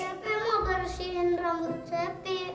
cepi mau bersihin rambut cepi